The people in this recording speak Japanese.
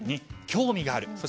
２、興味がある。